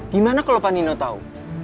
gimana kalau panino tau